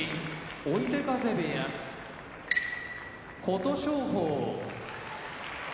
追手風部屋琴勝峰